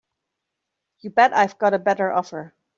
You bet I've got a better offer.